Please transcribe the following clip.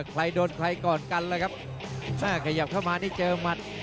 ใครโดนใครกอดกันแล้วครับอ่าขยับเข้ามานี่เจอหมัด